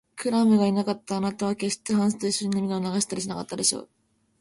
クラムがいなかったら、あなたはけっしてハンスといっしょに涙を流したりしなかったでしょう。